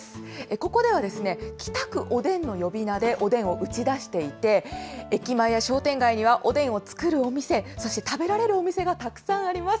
ここでは、北区おでんの呼び名でおでんを打ち出していて、駅前や商店街にはおでんを作るお店、そして食べられるお店がたくさんあります。